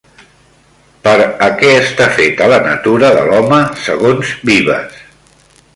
Per a què està feta la natura de l'home segons Vives?